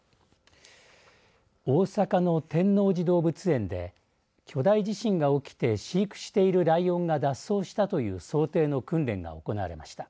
大阪の天王寺動物園で巨大地震が起きて飼育しているライオンが脱走したという想定の訓練が行われました。